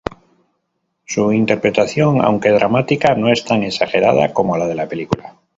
Su interpretación, aunque dramática, no es tan exagerada como la de la película.